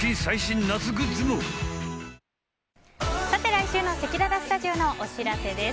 来週のせきららスタジオのお知らせです。